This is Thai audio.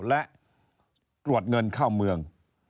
และตรวจเงินเข้าเมือง